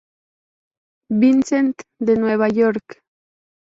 Vincent de Nueva York.